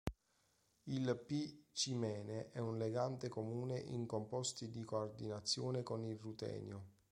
Il "p"-cimene è un legante comune in composti di coordinazione con il rutenio.